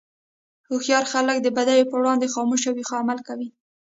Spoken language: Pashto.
هوښیار خلک د بدیو پر وړاندې خاموش وي، خو عمل کوي.